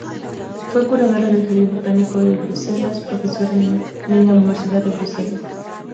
Fue curadora del jardín Botánico de Bruselas, profesora en la Universidad de Bruselas.